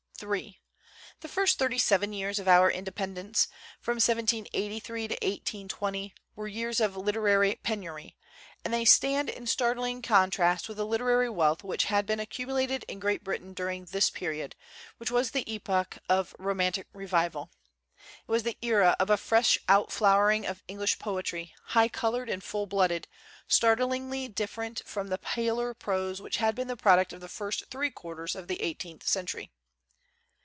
Ill THE first thirty seven years of our inde pendence, from 1783 to 1820, were years of literary penury; and they stand in startling con trast with the literary wealth which had been accumulated in Great Britain during this period, which was the epoch of the Romantic Revival. It was the era of a fresh outflowering of Eng lish poetry, high colored and full blooded, start lingly different from the paler prose which had been the product of the first three quarters of the eighteenth century.